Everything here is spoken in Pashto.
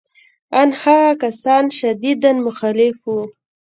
ان هغه کسان شدیداً مخالف وو